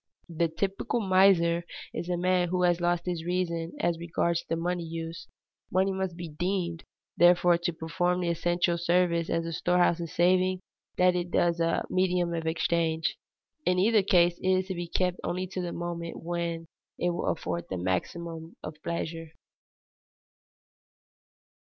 The typical miser is a man who has lost his reason as regards the money use. Money must be deemed, therefore, to perform the same essential service as a storehouse of saving that it does as a medium of exchange. In either case it is to be kept only to the moment when it will afford the maximum of pleasure.